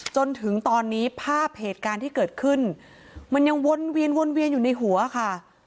จนถึงตอนนี้ภาพเหตุการณ์ที่เกิดขึ้นมันยังวนเวียนวนเวียนอยู่ในหัวค่ะ